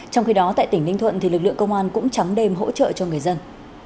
trong khi đó tại tỉnh ninh thuận lực lượng công an cũng trắng đêm hỗ trợ cho người dân